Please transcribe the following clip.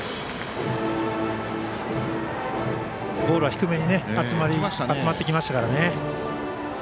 ボールが低めに集まってきましたね。